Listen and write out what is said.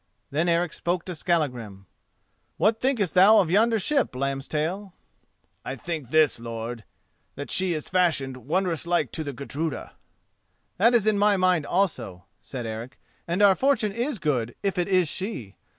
Then Eric spoke to Skallagrim. "What thinkest thou of yonder ship, Lambstail?" "I think this, lord: that she is fashioned wondrous like to the Gudruda." "That is in my mind also," said Eric, "and our fortune is good if it is she."